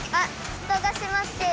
ふたがしまってる。